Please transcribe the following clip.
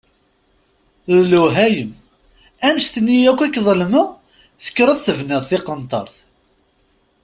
D lewhayem! Annect-nni akk i k-ḍelmeɣ, tekkreḍ tebniḍ tiqenṭert!